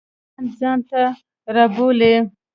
لرغون پوهان ځان ته رابولي.